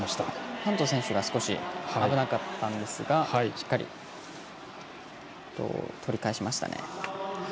ハント選手が少し危なかったんですがしっかり取り返しましたね。